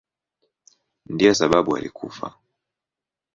Ndiyo sababu alikufa.